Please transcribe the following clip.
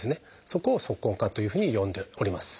そこを「足根管」というふうに呼んでおります。